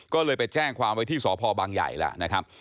ก็เลยไปแจ้งความไว้ที่สพบังใหญ่แล้วนะครับ